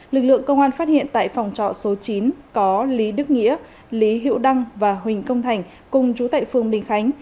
lực lượng công an phát hiện tại phòng trọ số chín có lý đức nghĩa lý hiệu đăng và huỳnh công thành cùng trú tại phường bình khánh